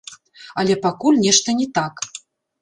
Але пакуль нешта не так.